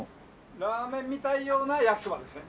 ラーメンみたいなような焼きそばですね。